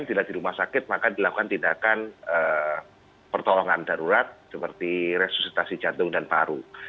bila di rumah sakit maka dilakukan tindakan pertolongan darurat seperti resusitasi jantung dan paru